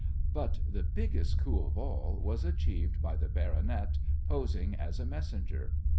But the biggest coup of all was achieved by the "baronet" posing as a messenger.